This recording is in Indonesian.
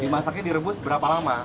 dimasaknya direbus berapa lama